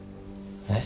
えっ？